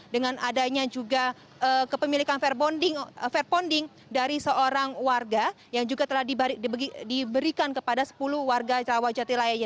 dengan adanya juga kepemilikan fair bonding dari seorang warga yang juga telah diberikan kepada sepuluh warga jawa jatilaya